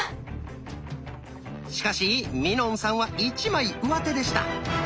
しかしみのんさんは一枚うわてでした。